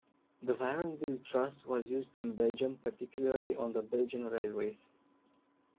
The Vierendeel truss was used in Belgium, particularly on the Belgian railways.